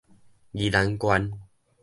宜蘭縣